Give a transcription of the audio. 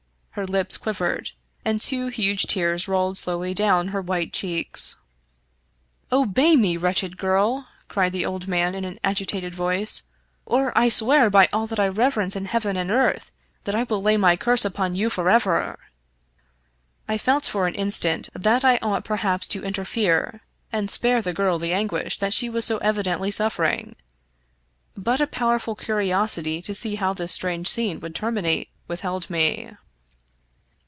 Her lips quivered, and two huge tears rolled slowly down her white cheeks. " Obey me, wretched girl," cried the old man in an agi tated voice, " or I swear, by all that I reverence in heaven and earth, that I will lay my curse upon you forever !" I felt for an instant that I ought perhaps to interfere, and spare the girl the anguish that she was so evidently suffer ing; but a powerful curiosity to see how this strange scene would terminate withheld me.